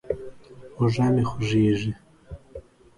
اوږه مې خوږېږي.